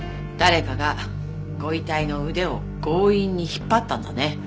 誰かがご遺体の腕を強引に引っ張ったんだね。